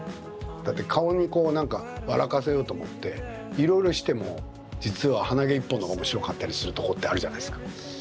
だって顔にこう何か笑かせようと思っていろいろしても実は鼻毛１本の方が面白かったりするとこってあるじゃないですか。